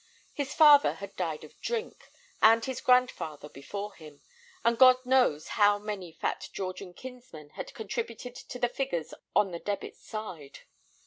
His father had died of drink, and his grandfather before him, and God knows how many fat Georgian kinsmen had contributed to the figures on the debit side.